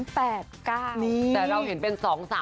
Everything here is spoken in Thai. แต่เราเห็นเป็น๒๓